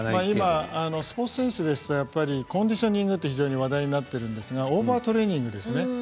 今、スポーツ選手ですとコンディショニングが話題になっているんですがオーバートレーニングですね